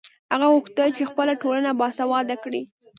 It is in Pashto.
هغه غوښتل چې خپله ټولنه باسواده کړي.